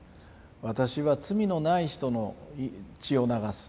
私は罪のない人の血を流す。